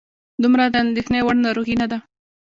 دومره د اندېښنې وړ ناروغي نه ده.